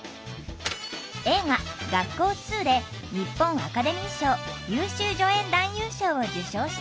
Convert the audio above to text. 映画「学校Ⅱ」で日本アカデミー賞優秀助演男優賞を受賞した。